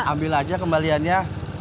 ambil aja kembaliannya